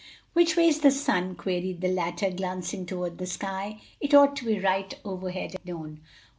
"Which way's the sun?" queried the latter, glancing toward the sky; "it ought to be right overhead at noon.